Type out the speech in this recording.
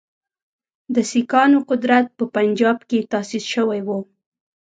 د سیکهانو قدرت په پنجاب کې تاسیس شوی وو.